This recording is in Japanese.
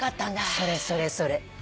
それそれそれ。